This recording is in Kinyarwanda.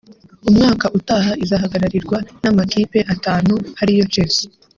umwaka utaha izahagararirwa n’amakipe atanu ariyo Chelsea